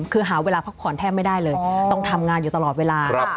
คือหาเวลาพักผ่อนแทบไม่ได้เลยต้องทำงานอยู่ตลอดเวลา